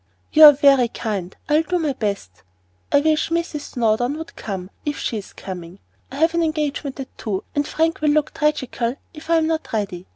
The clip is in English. "You are very kind; I'll do my best. I wish Mrs. Snowdon would come, if she is coming; I've an engagement at two, and Frank will look tragical if I'm not ready.